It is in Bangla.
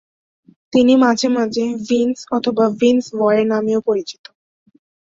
তিনি মাঝে মাঝে ভিন্স অথবা ভিন্স ভয়ের নামেও পরিচিত।